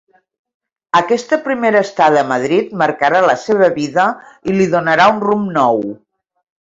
Aquesta primera estada a Madrid marcarà la seva vida i li donarà un rumb nou.